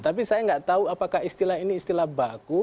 tapi saya nggak tahu apakah istilah ini istilah baku